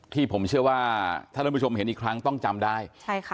ที่ผมเชื่อว่าถ้าท่านผู้ชมเห็นอีกครั้งต้องจำได้ใช่ค่ะ